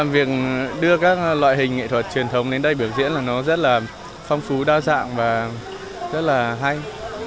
việc đưa các loại hình nghệ thuật truyền thống đến đây biểu diễn là nó rất là phong phú đa dạng và rất là hay